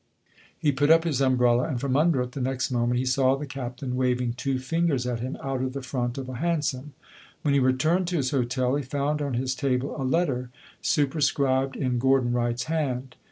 He put up his umbrella, and from under it, the next moment, he saw the Captain waving two fingers at him out of the front of a hansom. When he returned to his hotel he found on his table a letter superscribed in Gordon Wright's hand.